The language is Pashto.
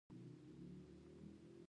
خلک د سختو حالاتو سره ژوند کوي.